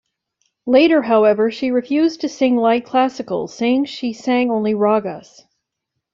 Later, however, she refused to sing light classical, saying she sang only ragas.